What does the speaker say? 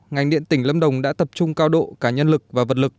ngành điện tỉnh lâm đồng đã tập trung cao độ cả nhân lực và vật lực